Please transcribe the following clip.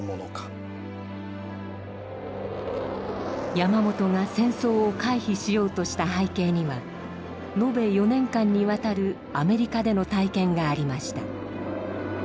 山本が戦争を回避しようとした背景には延べ４年間にわたるアメリカでの体験がありました。